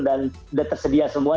dan sudah tersedia semua